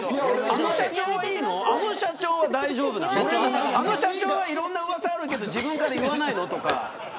この社長はいいのあの社長は大丈夫なのあの社長はいろんな、うわさがあるけど自分から言わないのとか。